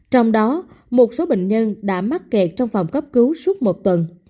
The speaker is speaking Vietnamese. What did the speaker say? trong đó một số bệnh nhân đã mắc kẹt trong phòng cấp cứu suốt một tuần